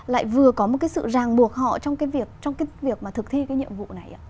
lại vừa có một cái sự ràng buộc họ trong cái việc mà thực thi cái nhiệm vụ này